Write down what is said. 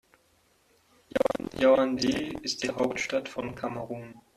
Yaoundé ist die Hauptstadt von Kamerun.